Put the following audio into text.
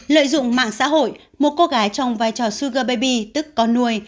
lợi dụng mạng xã hội một cô gái trong vai trò sugar baby tức có nuôi